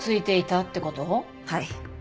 はい。